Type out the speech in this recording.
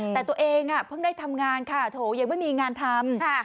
แต่ตัวเองเพิ่งได้ทำงานค่ะโถยังไม่มีงานทำ